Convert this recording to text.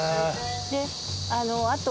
であと